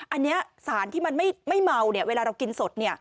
อันนี้สารที่มันไม่เมาเวลาเรากินสด